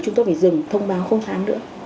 chúng tôi phải dừng thông báo không khám nữa